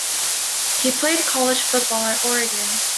He played college football at Oregon.